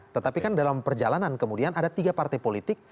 tetapi kan dalam perjalanan kemudian ada tiga partai politik